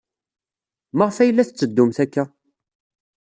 Maɣef ay la tetteddumt akka?